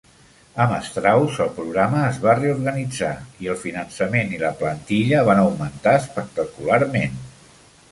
Amb Strauss, el programa es va reorganitzar i el finançament i la plantilla van augmentar espectacularment.